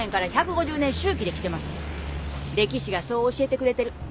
歴史がそう教えてくれてる。